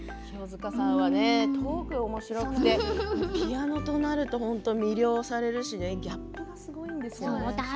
清塚さんはトークもおもしろくてピアノとなると本当に魅了されるしギャップがすごいんですよね。